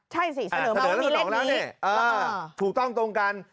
ใช่สิเสนอเสนอแล้วนี่ถูกต้องตรงกัน